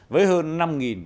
với hơn năm bốn trăm linh